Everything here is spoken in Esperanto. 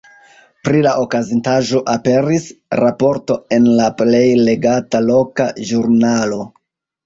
Pri la okazintaĵo aperis raporto en la plej legata loka ĵurnalo.